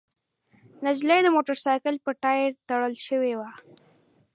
نجلۍ د موټرسايکل په ټاير تړل شوې وه.